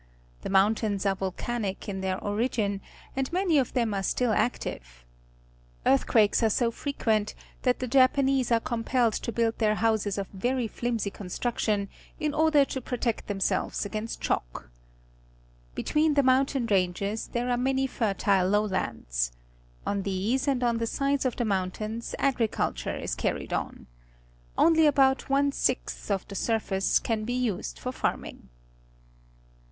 The mountains are volcanic in their origin, and many of them are still active. Earthquakes are so frequent that the Japanese are compelled to build their houses of very flimsy construction, in order to protect themselves against shock. Between the mountain ranges there are many fertile lowlands. On these and on the sides of the mountains agriculture is carried on. Only about one sixth of the surface can be used for farming.